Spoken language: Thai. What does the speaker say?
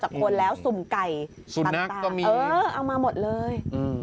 บนแล้วสุมไก่สุนัขก็มีเออเอามาหมดเลย